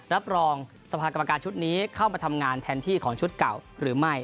รับรองสภากรรมการชุดนี้เข้ามาทำงานแทนที่ของชุดเก่าหรือไม่